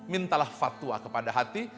mintalah fatwa kepada hati